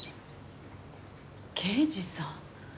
刑事さん。